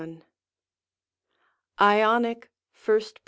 Ionic 1st Pers.